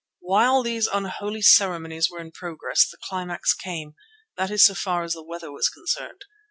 While these unholy ceremonies were in progress the climax came, that is so far as the weather was concerned.